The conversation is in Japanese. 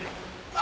あ。